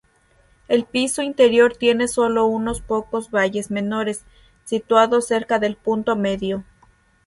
El piso interior tiene solo unos pocos valles menores, situados cerca del punto medio.